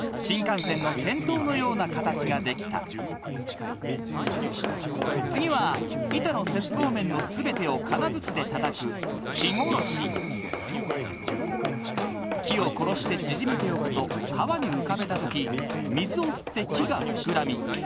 のような形が出来た次は板の接合面の全てを金づちでたたく木を殺して縮めておくと川に浮かべた時水を吸って木が膨らみ